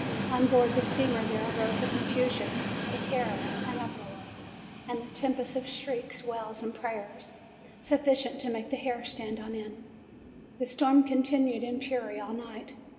On board the steamer there arose a confusion, a terror, an uproar, a tempest of shrieks, wails, and prayers, suffi cient to make the hair stand on end. The storm con tinued in fury all night.